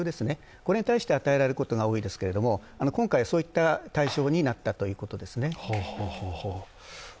これに対して与えられることが多いですけれども今回、そういった対象になったということですね。